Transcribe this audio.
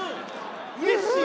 うれしい。